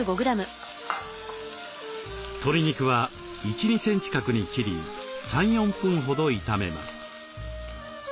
鶏肉は１２センチ角に切り３４分ほど炒めます。